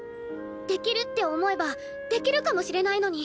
できるって思えばできるかもしれないのに。